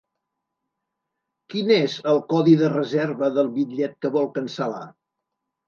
Quin és el codi de reserva del bitllet que vol cancel·lar?